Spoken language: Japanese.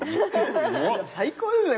最高ですね